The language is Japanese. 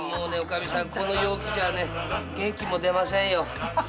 この陽気じゃあね元気も出ませんよ。